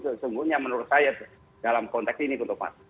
sejujurnya menurut saya dalam konteks ini pak